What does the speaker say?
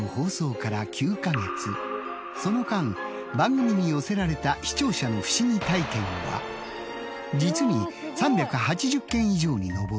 その間番組に寄せられた視聴者の不思議体験は実に３８０件以上に上る。